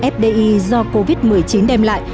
fdi do covid một mươi chín đem lại